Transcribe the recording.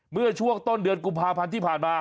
เมื่อช่วงต้นเดือนกุมภาพันธ์ที่ผ่านมา